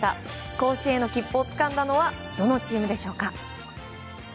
甲子園への切符をつかんだのはどのチームでしょうか？